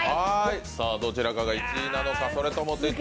どちらかが１位なのか。